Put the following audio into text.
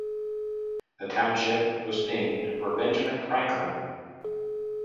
The township was named for Benjamin Franklin.